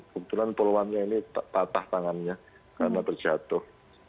kebetulan poluannya ini patah tangannya karena terjatuh